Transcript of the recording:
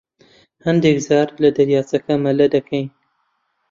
هەندێک جار لە دەریاچەکە مەلە دەکەین.